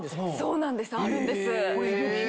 そうなんですあるんです。